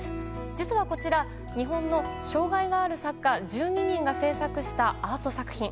実はこちら日本の障害がある作家１２人が制作したアート作品。